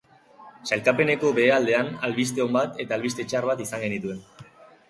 Sailkapeneko behealdean albiste on bat eta albiste txar bat izan genituen.